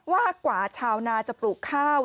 ว่ากว่าชาวนาจะปลูกข้าว